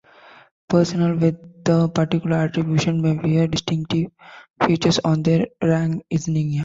Personnel with a particular attribution may wear distinctive features on their rank insignia.